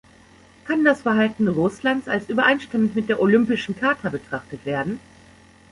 Kann das Verhalten Russlands als übereinstimmend mit der Olympischen Charta betrachtet werden?